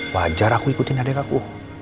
wajar aku ikutin adik aku